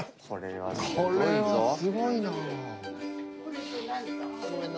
これはすごいな。